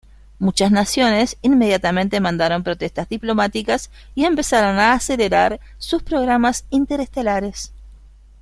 Muchas naciones inmediatamente mandaron protestas diplomáticas y empezaron a acelerar sus programas interestelares.